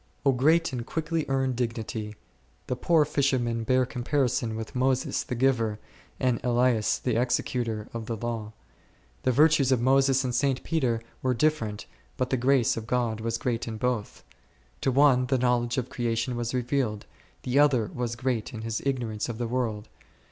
O great and quickly earned dignity ! The poor fishermen bear comparison with Moses the giver, and Elias the executor, of the law. The virtues of Moses and St. Peter were different, but the grace of God was great in both ; to one the knowledge of creation was revealed ; the other was great in his ignorance of the world.